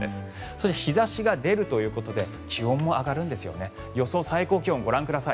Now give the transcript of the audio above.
そして日差しが出るということで気温も上がるんですね。